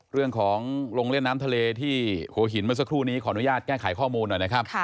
เรื่องของลงเล่นน้ำทะเลที่โห่หินมาสักครู่นี้ขออนุญาตแก้ไขข้อมูลหน่อย